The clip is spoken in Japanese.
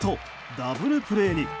ダブルプレーに。